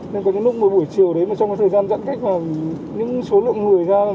nên có những lúc buổi chiều đấy mà trong cái thời gian giãn cách mà những số lượng người ra đường